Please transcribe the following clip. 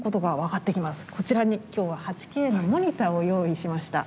こちらに今日は８Ｋのモニターを用意しました。